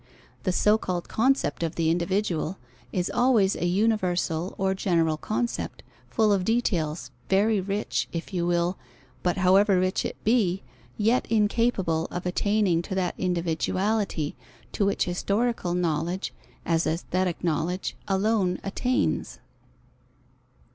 The so called concept of the individual is always a universal or general concept, full of details, very rich, if you will, but however rich it be, yet incapable of attaining to that individuality, to which historical knowledge, as aesthetic knowledge, alone attains.